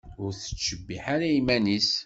Ur tettcebbiḥ ara iman-is.